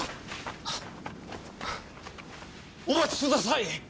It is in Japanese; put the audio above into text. お待ちください！